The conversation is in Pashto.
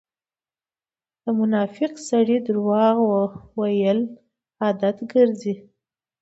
د منافق سړی درواغ وويل عادت ګرځئ.